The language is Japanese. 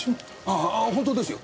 ああ本当ですよ。